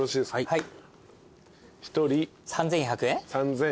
はい。